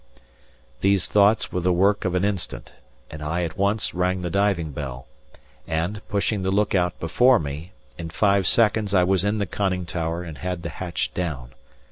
These thoughts were the work of an instant, and I at once rang the diving bell, and, pushing the look out before me, in five seconds I was in the conning tower and had the hatch down.